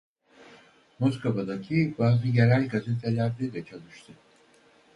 Moskova'daki bazı yerel gazetelerde de çalıştı.